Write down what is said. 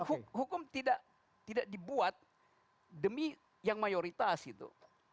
kan hukum tidak dibuat demi yang mayoritas gitu